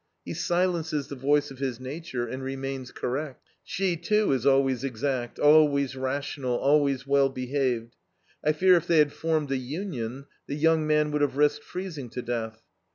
He silences the voice of his nature, and remains correct. She, too, is always exact, always rational, always well behaved. I fear if they had formed a union, the young man would have risked freezing to death.